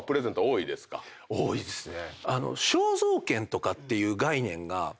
多いですね。